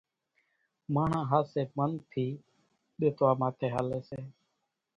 ماڻۿان ۿاسي منَ ٿي ۮيتوا ماٿي ھالي سي